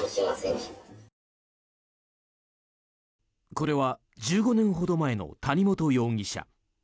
これは１５年ほど前の谷本容疑者。